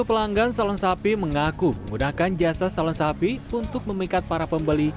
pelanggan salon sapi mengaku menggunakan jasa salon sapi untuk memikat para pembeli